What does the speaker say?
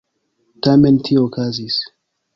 Tamen tio okazis.